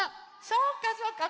そうかそうか。